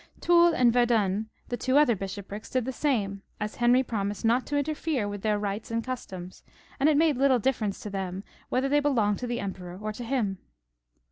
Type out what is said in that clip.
Toul and Verdun — the two other bishoprics — did the same, as Henry promised not to interfere with their rights and customs, and it made little difference to them whether they belonged to the emperor or to him.